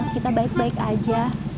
kita baik baik aja